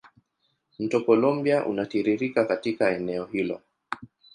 Mto Columbia unatiririka katika eneo hilo.